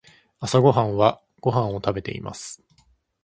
朝ごはんはご飯を食べています。